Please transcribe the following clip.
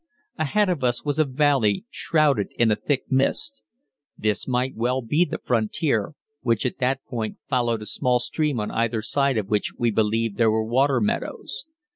Ahead of us was a valley, shrouded in a thick mist. This might well be the frontier, which at that point followed a small stream on either side of which we believed there were water meadows.